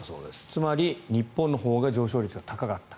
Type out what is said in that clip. つまり日本のほうが上昇率は高かった。